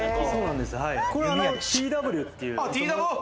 これはＴＷっていう。